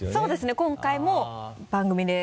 今回も番組で。